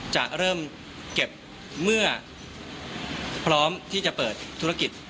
จะเริ่มเก็บเมื่อพร้อมที่จะเปิดธุรกิจ